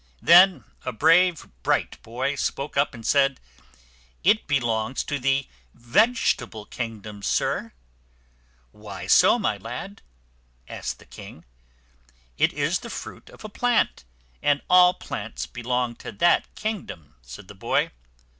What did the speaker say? Then a brave, bright boy spoke up and said, "It belongs to the veg e ta ble kingdom, sir." "Why so, my lad?" asked the king. "It is the fruit of a plant, and all plants belong to that kingdom," said the boy.